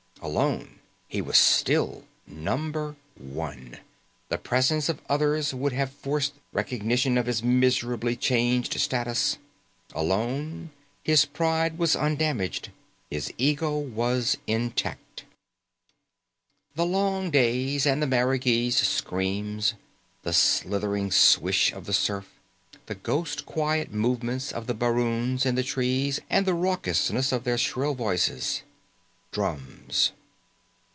Alone, he was still Number One. The presence of others would have forced recognition of his miserably changed status. Alone, his pride was undamaged. His ego was intact. The long days, and the marigees' screams, the slithering swish of the surf, the ghost quiet movements of the baroons in the trees and the raucousness of their shrill voices. Drums.